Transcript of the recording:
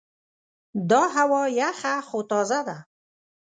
دا هوا یخه خو تازه ده.